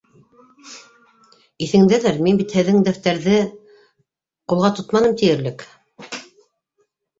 Иҫеңдәлер, мин бит һеҙҙең дәфтәрҙәрҙе ҡулға тотманым тиерлек.